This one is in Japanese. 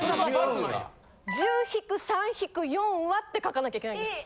１０−３−４はって書かなきゃいけないんです。